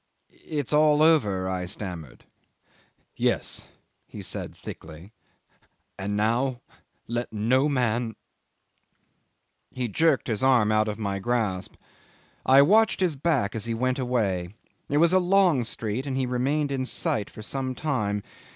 "It's all over," I stammered. "Yes," he said thickly. "And now let no man ..." He jerked his arm out of my grasp. I watched his back as he went away. It was a long street, and he remained in sight for some time.